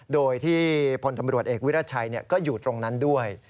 โดยที่พลตำรวจเอกวิรัชัยก็อยู่ตรงนั้นด้วย